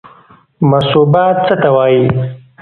مصوبه څه ته وایي؟